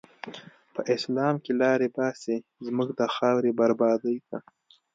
په اسلام کی لاری باسی، زموږ د خاوری بربادی ته